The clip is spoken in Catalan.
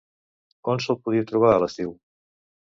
On se'l podia trobar a l'estiu?